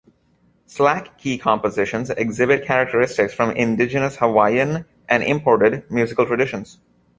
Slack key compositions exhibit characteristics from indigenous Hawaiian and imported musical traditions.